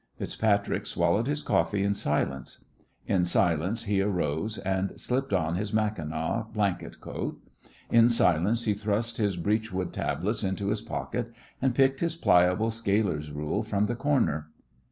FitzPatrick swallowed his coffee in silence. In silence he arose and slipped on his mackinaw blanket coat. In silence he thrust his beechwood tablets into his pocket, and picked his pliable scaler's rule from the corner.